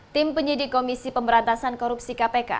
tim penyidik komisi pemberantasan korupsi kpk